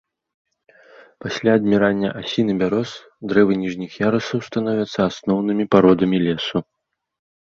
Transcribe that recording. Пасля адмірання асін і бяроз дрэвы ніжніх ярусаў становяцца асноўнымі пародамі лесу.